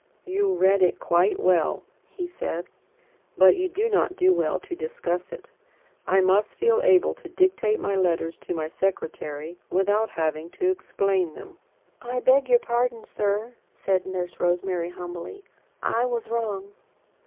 "You read it quite well," he said, "but you do not do well to discuss it. I must feel able to dictate my letters to my secretary, without having to explain them." "I beg your pardon, sir," said Nurse Rosemary humbly. "I was wrong."